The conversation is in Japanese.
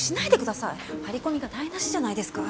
張り込みが台無しじゃないですか。